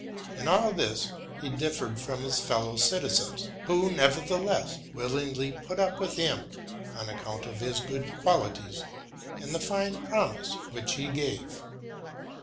In all this he differed from his fellow citizens, who, never: theless, willingly put up with him on account of his good qualities, and the fine promise which he gave.